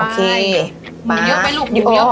เถอะโอเค